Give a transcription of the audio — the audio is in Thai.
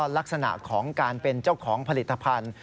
ลักษณะของการเป็นเจ้าของผลิตภัณฑ์